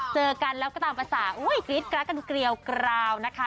เจอกันแล้วก็ตามภาษาอุ้ยกรี๊ดกราดกันเกลียวกราวนะคะ